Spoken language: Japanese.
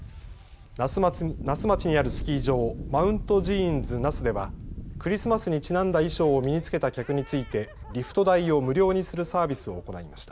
那須町にあるスキー場、マウントジーンズ那須ではクリスマスにちなんだ衣装を身に着けた客についてリフト代を無料にするサービスを行いました。